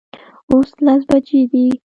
اوس لس بجې دي